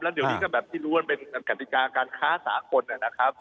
เดี๋ยวนี้ก็แบบที่รู้ว่ามันเป็นกติกาการค้าสากลนะครับ